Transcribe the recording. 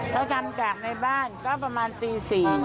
ถ้าทำกากในบ้านก็ประมาณ๔นาที